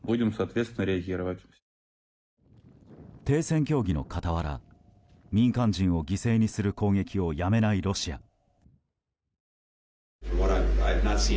停戦協議の傍ら民間人を犠牲にする攻撃をやめないロシア。